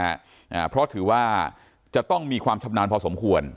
อ่าเพราะถือว่าจะต้องมีความชำนาญพอสมควร